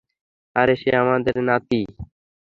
আরে সে আমাদের নাতী।